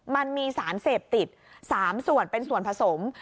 มันมีสารเสพติด๓ส่วนเป็นส่วนผสม